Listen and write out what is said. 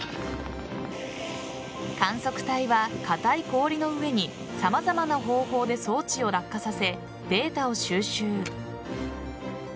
観測隊は、硬い氷の上に様々な方法で装置を落下させデータを収集。